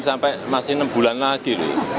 sampai masih enam bulan lagi